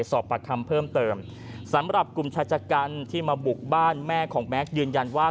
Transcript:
สอบปากคำเพิ่มเติมสำหรับกลุ่มชายชะกันที่มาบุกบ้านแม่ของแม็กซ์ยืนยันว่า